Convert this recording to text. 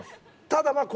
ただまぁ。